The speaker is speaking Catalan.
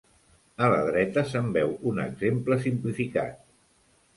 A la dreta se'n veu un exemple simplificat.